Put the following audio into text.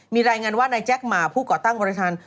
มีรายงานว่านายแจ็คหมาผู้ก่อตั้งบริษัท